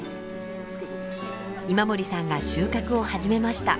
今森さんが収穫を始めました。